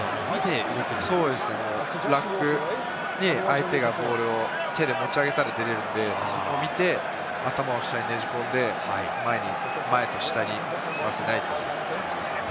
ラックに相手がボールに、手を持ち上げたら出れるんで、見て、頭を下にねじ込んで下に進ませないという感じです。